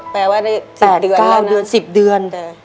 แปลว่าได้๘๙เดือน๑๐เดือน